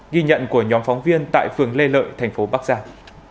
ghi nhận của nhóm phóng viên tại phường lê lợi thành phố bắc giang